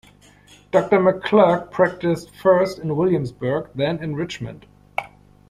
Doctor McClurg practiced first in Williamsburg, then in Richmond.